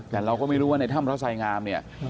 แต่เราก็ไม่รู้ว่าในถ้ำพระสายงามเนี่ย